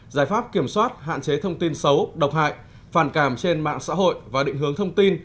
giải pháp kiểm soát hạn chế thông tin xấu độc hại phản cảm trên mạng xã hội và định hướng thông tin